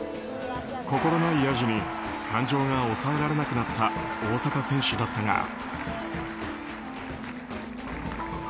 心ないやじに感情が抑えられなくなった大坂選手だったが。